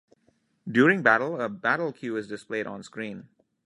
During battle, a "battle queue" is displayed on-screen.